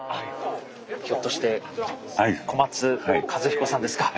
ひょっとして小松和彦さんですか？